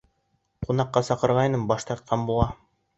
Ҡунаҡҡа саҡырғайным, баш тартҡан була.